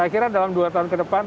saya kira dalam dua tahun ke depan